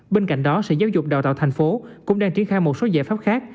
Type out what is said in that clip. bên cạnh đó sở giáo dục đào tạo tp hcm cũng đang triển khai một số giải pháp khác